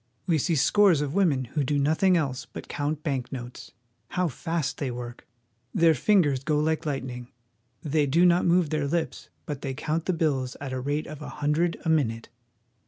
We see scores of women who do nothing else but count bank notes. How fast they work! Their fingers go like light ning. They do not move their lips, but they count the bills at the rate of a hundred a minute.